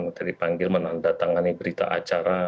menteri dipanggil menandatangani berita acara